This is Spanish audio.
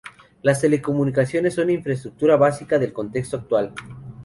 Las telecomunicaciones son una infraestructura básica del contexto actual.